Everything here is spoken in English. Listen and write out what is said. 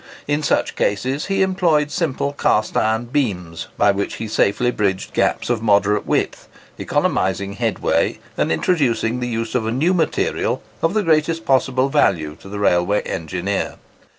In such cases he employed simple cast iron beams, by which he safely bridged gaps of moderate width, economizing headway, and introducing the use of a new material of the greatest possible value to the railway engineer.